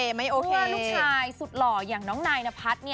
ไม่โอเคลูกชายสุดหล่ออย่างน้องนายนพัฒน์